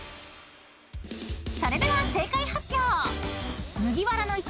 ［それでは正解発表］